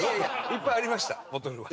いっぱいありましたボトルは。